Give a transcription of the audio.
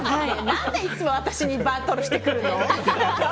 何でいっつも私にバトルしてくるの？